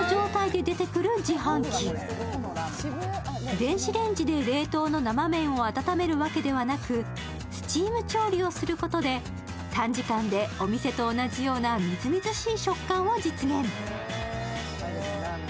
電子レンジで冷凍の生麺を温めるわけではなく、スチーム調理をすることで短時間でお店と同じようなうん、おいしい。